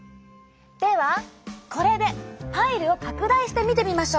ではこれでパイルを拡大して見てみましょう！